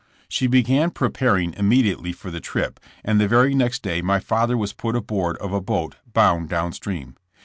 She began preparing immediately for the trip and the very next day my father was put aboard of a boat bound down stream.